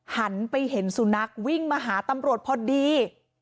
หันไปเห็นสุนัขวิ่งมาหาตำรวจพอดี